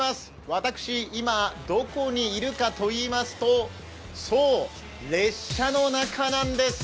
私、今、どこにいるかといいますと、そう、列車の中なんです。